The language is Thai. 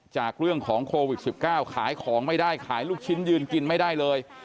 จากเรื่องของโควิด๑๙ขายของไม่ได้ขายลูกชิ้นยืนกินไม่ได้เลย